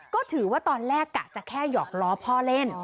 ก็ถือว่าตอนแรกกะจะแค่หยอกล้อพ่อเล่น